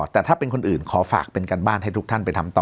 แต่ถ้าเป็นคนอื่นขอฝากเป็นการบ้านให้ทุกท่านไปทำต่อ